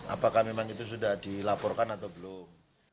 apakah memang itu sudah dilaporkan atau belum